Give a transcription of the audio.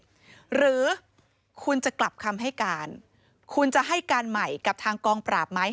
หรือคุณจะกลับคำให้การคุณจะให้การใหม่กับทางกองปราบไหม